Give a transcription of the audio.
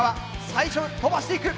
最初飛ばしていく。